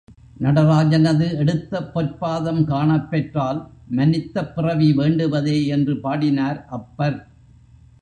நடராஜனது எடுத்த பொற்பாதம் காணப் பெற்றால், மனிதப் பிறவி வேண்டுவதே என்று பாடினார் அப்பர்.